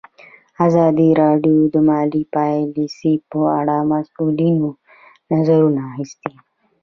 ازادي راډیو د مالي پالیسي په اړه د مسؤلینو نظرونه اخیستي.